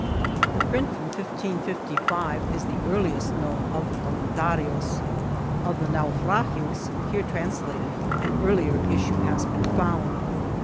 The print from 1555 is the earliest known of the Cotnen tario's. Of the Naufragios here translated an earlier issue has been foundr.